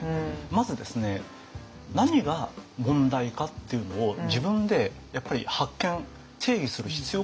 まずですね何が問題かっていうのを自分でやっぱり発見定義する必要があるんですね。